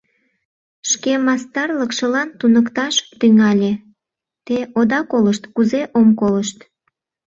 Шке мастарлыкшылан туныкташ тӱҥалеТе ода колышт— Кузе ом колышт?